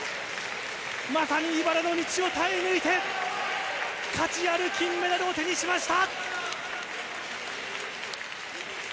まさにいばらの道を耐え抜いて、価値ある金メダルを手にしました。